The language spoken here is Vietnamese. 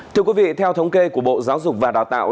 thưa quý vị theo thống kê của bộ giáo dục và đào tạo